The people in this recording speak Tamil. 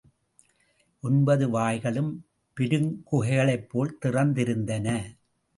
ஒன்பது வாய்களும் பெருங்குகைகளைப் போல் திறந்திருந்தன.